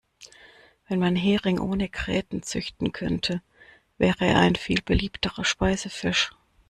Wenn man Hering ohne Gräten züchten könnte, wäre er ein viel beliebterer Speisefisch.